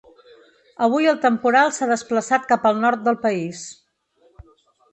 Avui el temporal s’ha desplaçat cap al nord del país.